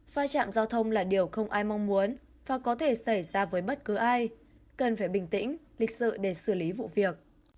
vai trạm giao thông là điều không ai mong muốn và có thể xảy ra với bất cứ ai cần phải bình tĩnh lịch sự để xử lý vụ việc